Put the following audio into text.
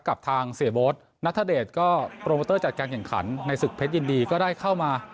กับทางเสียโบ๊ทนัทเดชก็โปรโมเตอร์จัดการแข่งขันในศึกเพชรยินดีก็ได้เข้ามา